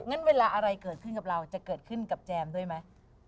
งั้นเวลาอะไรเกิดขึ้นกับเราจะเกิดขึ้นกับแจมด้วยไหม